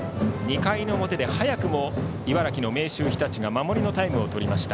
２回の表で早くも茨城の明秀日立が守りのタイムです。